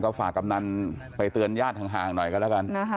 ก็ฝากกำนันไปเตือนญาติห่างหน่อยกันแล้วกัน